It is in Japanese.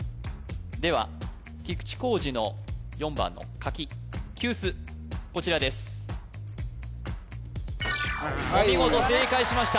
では菊地晃史の４番の書ききゅうすこちらですお見事正解しました